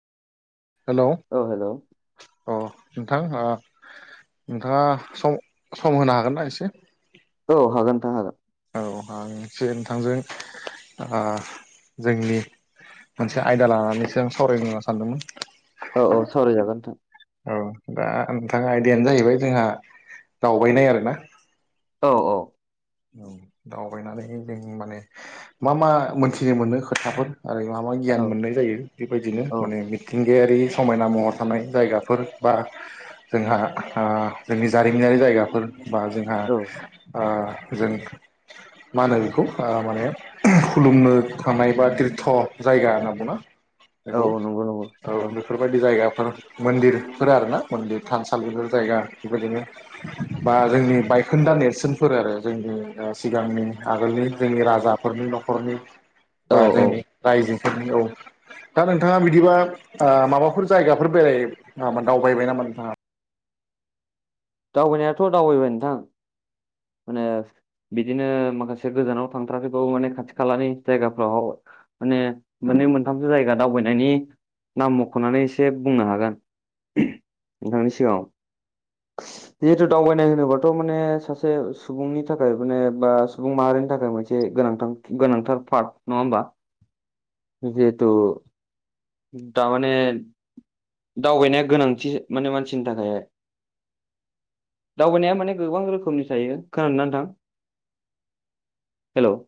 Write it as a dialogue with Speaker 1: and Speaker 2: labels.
Speaker 1: हेल'
Speaker 2: औ हेल'
Speaker 1: अ नोंथां नोंथाङा सम सम होनो हागोन ना एसे?
Speaker 2: औ हागोन नोंथां हागोन।
Speaker 1: औ आं एसे नोंथांजों ओ जोंनि मोनसे आयदा लानानैसो आं सावरायनो सानदोंमोन।
Speaker 2: औ औ सावरायजागोन नोंथां।
Speaker 1: औ दा नोंथां आयदायानो जाहैबाय जोंहा दावबायनाय आरो ना।
Speaker 2: औ औ
Speaker 1: दावबायनानै जों माने मा मा मोनथिनो मोनो खोथाफोर आरो मा मा गियान
Speaker 2: औ
Speaker 1: मोननाय जायो? बेबायदिनो
Speaker 2: औ
Speaker 1: माने मिथिंगायारि समायना महर थानाय जायगाफोर बा जोंहा ओ जोंनि जारिमिनारि जायगाफोर बा जोंहा
Speaker 2: औ
Speaker 1: ओ जों मा होनो बेखौ माने खुलुमनो थानाय बा दिरथ जायगा होनना बुङो बेखौ।
Speaker 2: औ नंगौ नंगौ
Speaker 1: औ बेफोरबायदि जायगाफोर मन्दिरफोर आर ना मन्दिर थानसालि बेफोर जायगा बेबायदिनो बा जोंनि बायखोन्दा नेरसोनफोर आरो। जोंनि सिगांनि आगोलनि जोंनि राजाफोरनि न'खरनि
Speaker 2: औ
Speaker 1: बा
Speaker 2: औ
Speaker 1: जोंनि रायजोफोरनि औ दा नोंथाङा बिदिबा माबाफोर जायगाफोर बेराय दावबायबाय नामा नोंथाङा?
Speaker 2: दावबायनायाथ' दावबायबाय नोंथां माने बिदिनो माखासे गोजानाव थांथाराखैबाबो माने खाथि खालानि जायगाफ्राव माने मोननै मोनथामसो जायगा दावबायनायनि नाम मख'नानै एसे बुंनो हागोन। नोंथांनि सिगाङाव। जिहेथु दावबायनाय होनोबाथ' माने सासे सुबुंनि थाखाय माने बा सुबुं माहारिनि थाखाय मोनसे गोनांथार। गोनांथार पार्ट नङा होमबा?
Speaker 1: [inaudible]
Speaker 2: जिहेथु दामाने दावबायनाया गोनांथि माने मानसिनि थाखाय। दावबायनाया माने गोबां रोखोमनि थायो खोनादों‌ना नोंथां हेल'